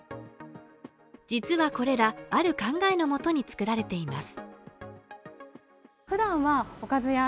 実はこれらある考えのもとに作られています